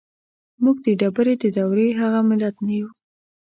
موږ د ډبرې د دورې هغه ملت نه يو.